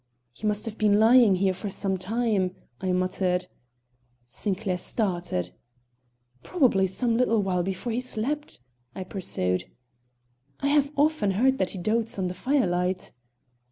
"He must have been lying here for some time," I muttered. Sinclair started. "Probably some little while before he slept," I pursued. "I have often heard that he dotes on the firelight."